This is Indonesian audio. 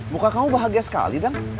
muka kamu bahagia sekali dong